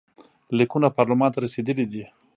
لیکونه پارلمان ته رسېدلي دي.